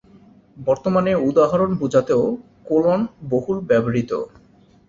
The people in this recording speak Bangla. বর্তমানে উদাহরণ বোঝাতেও কোলন বহুল ব্যবহৃত।